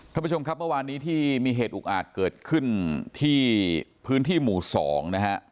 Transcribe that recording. ท่านผู้ชมครับเมื่อวานนี้ที่มีเหตุอุกอาจเกิดขึ้นที่พื้นที่หมู่๒นะฮะ